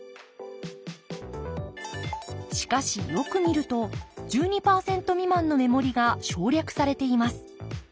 しかしよく見ると１２％未満の目盛りが省略されています。